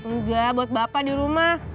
enggak buat bapak di rumah